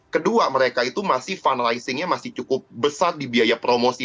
kedua mereka itu masih fundraisingnya masih cukup besar di biaya promosi